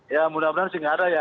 ya mudah mudahan sih nggak ada ya